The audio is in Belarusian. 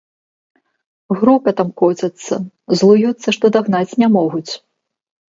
Грукатам коцяцца, злуюцца, што дагнаць не могуць.